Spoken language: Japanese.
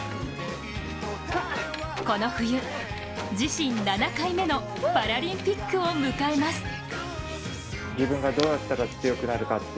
この冬、自身７回目のパラリンピックを迎えます。